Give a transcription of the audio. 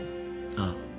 ああ。